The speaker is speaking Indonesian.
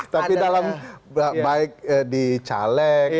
tapi dalam baik di caleg